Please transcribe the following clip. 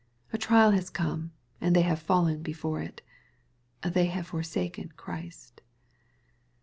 A trial has come and they have fallen before it. > They have forsaken Christ.